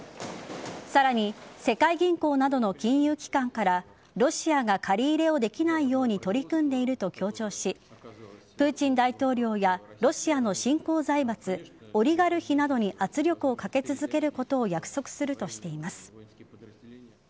さらに、世界銀行などの金融機関からロシアが借り入れをできないように取り組んでいると強調しプーチン大統領やロシアの新興財閥オリガルヒなどに圧力をかけ続けることを約束するとしています。